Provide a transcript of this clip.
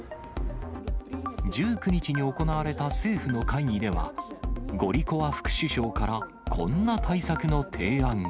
１９日に行われた政府の会議では、ゴリコワ副首相からこんな対策の提案が。